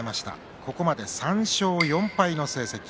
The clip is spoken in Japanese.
ここまで３勝４敗の成績。